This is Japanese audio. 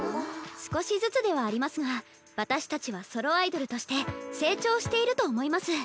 少しずつではありますが私たちはソロアイドルとして成長していると思います。